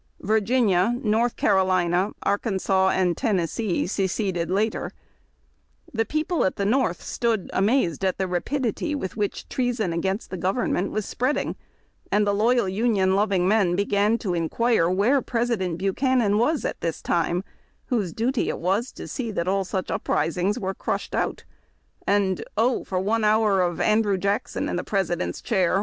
Virginia, North Car olina, Arkansas, and Tennessee seceded later. The people at the North stood amazed at the rapidity with which treason against the government was spreading, and the loyal Union loving men began to inquire wdiere President Buchanan was at this time, whose duty it was to see that all such upris ings were crushed out ; and " Oh for one hour of Andrew Jackson in the President's chair